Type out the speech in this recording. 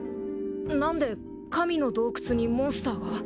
なんで神の洞窟にモンスターが？